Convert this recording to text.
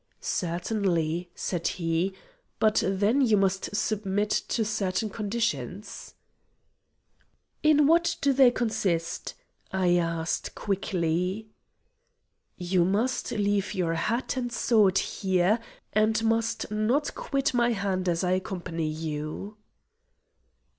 "Certainly," said he, "but then you must submit to certain conditions." "In what do they consist?" I asked, quickly. "You must leave your hat and sword here, and must not quit my hand as I accompany you."